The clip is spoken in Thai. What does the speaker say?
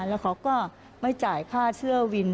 แล้วเขาก็ไม่จ่ายค่าเสื้อวิน